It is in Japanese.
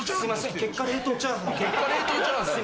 結果冷凍チャーハンじゃない。